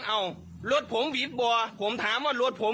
เลี้ยงเลี้ยงเลี้ยงเลี้ยงเลี้ยงเลี้ยงเลี้ยง